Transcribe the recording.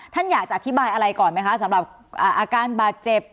ท่านอยากจะอธิบายอะไรก่อนไหมคะสำหรับอาการบาดเจ็บ